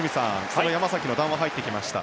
その山崎の談話が入ってきました。